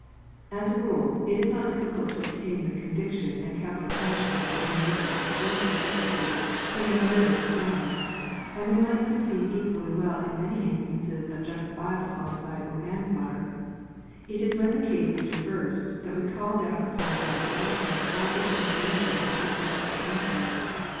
As a rule, it is not difficult to obtain the con viction and capital punishment of any native, or his substitute, who has murdered a foreigner, and we might succeed equally well in many instances of jus tifiable homicide or manslaughter : it is when the case is reversed that we call down upon our devoted heads all the indignation of the Celestial Empire.